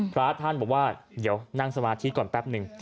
พระท่านบอกว่าเดี๋ยวนั่งสมาธิก่อนแป๊บหนึ่ง